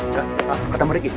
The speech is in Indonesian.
hah katam riki